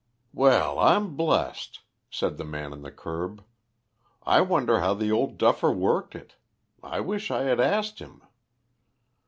"Well, I'm blest!" said the man on the kerb; "I wonder how the old duffer worked it. I wish I had asked him."